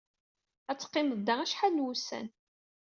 Ad teqqimed da acḥal n wussan.